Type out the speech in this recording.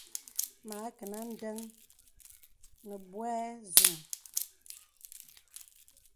Mə à kinà ǹdəŋ nə buɛ zɔm.